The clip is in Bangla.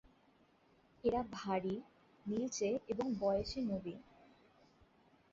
এরা ভারী, নীলচে এবং বয়সে নবীন।